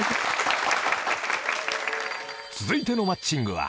［続いてのマッチングは］